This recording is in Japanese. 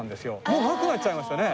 もうなくなっちゃいましたね。